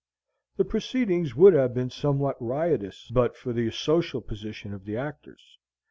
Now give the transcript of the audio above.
The proceedings would have been somewhat riotous, but for the social position of the actors.